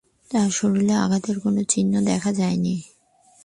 তাঁর শরীরে আঘাতের কোনো চিহ্ন দেখা যায়নি।